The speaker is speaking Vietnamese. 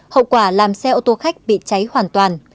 hậu quả làm xe ô tô khách bị cháy hoàn toàn